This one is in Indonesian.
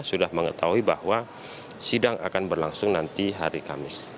sudah mengetahui bahwa sidang akan berlangsung nanti hari kamis